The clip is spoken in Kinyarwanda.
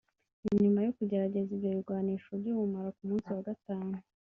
inyuma yo kugerageza ivyo bigwanisho vy’ubumara ku musi wa gatanu